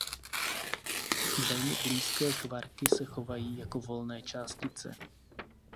Velmi blízké kvarky se chovají jako volné částice.